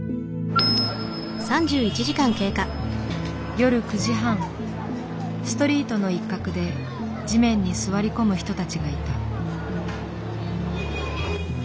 夜９時半ストリートの一角で地面に座り込む人たちがいた。